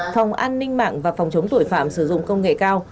phòng an ninh mạng và phòng chống tội phạm sử dụng công nghệ cao